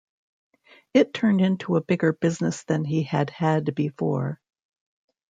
It turned into a bigger business than he had had before.